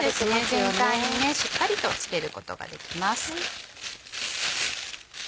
全体にしっかりと付けることができます。